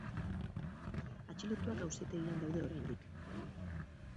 Atxilotuak auzitegian daude oraindik.